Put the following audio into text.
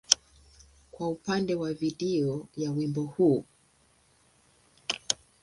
kwa upande wa video ya wimbo huu.